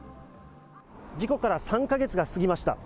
事故から３か月が過ぎました。